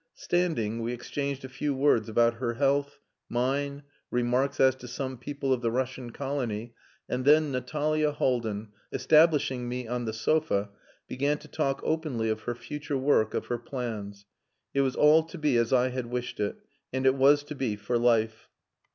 Standing, we exchanged a few words about her health, mine, remarks as to some people of the Russian colony, and then Natalia Haldin, establishing me on the sofa, began to talk openly of her future work, of her plans. It was all to be as I had wished it. And it was to be for life.